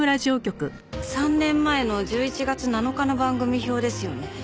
３年前の１１月７日の番組表ですよね。